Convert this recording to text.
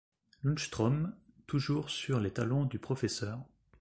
Lundström, toujours sur les talons du Pr.